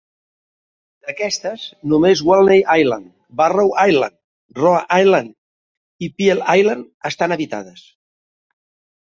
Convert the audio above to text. D'aquestes, només Walney Island, Barrow Island, Roa Island i Piel Island estan habitades.